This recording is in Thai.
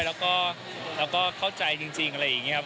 แล้วก็เราก็เข้าใจจริงอะไรอย่างนี้ครับ